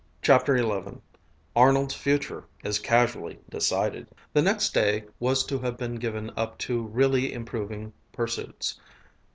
CHAPTER XI ARNOLD'S FUTURE IS CASUALLY DECIDED The next day was to have been given up to really improving pursuits.